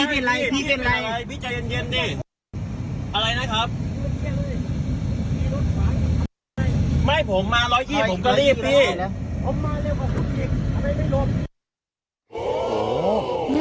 อะไรนะครับไม่ผมมา๑๒๐ผมก็รีบพี่